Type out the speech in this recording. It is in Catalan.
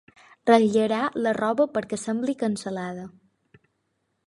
Ratllarà la roba perquè sembli cansalada.